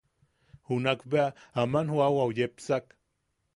Junak bea aman joʼawau yepsak.